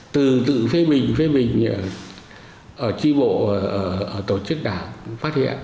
từ tự phê bình phê bình ở tri bộ tổ chức đảng phát hiện